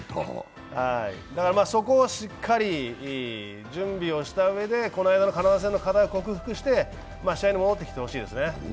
だからそこをしっかり準備をしたうえで、この間のカナダ戦の課題を克服して日本に戻ってきてほしいですね。